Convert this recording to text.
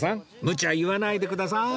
むちゃ言わないでください